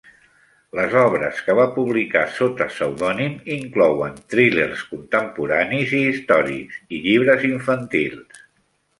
Les obres que va publicar sota pseudònim inclouen thrillers contemporanis i històrics i llibres infantils.